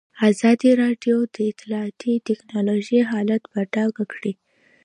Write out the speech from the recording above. ازادي راډیو د اطلاعاتی تکنالوژي حالت په ډاګه کړی.